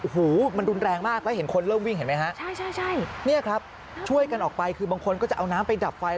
ฟ้าวงจรปิดครับ